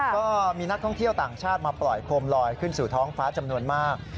ก็มีนักท่องเที่ยวต่างชาติมาปล่อยโคมลอยขึ้นสู่ท้องฟ้าจำนวนมาก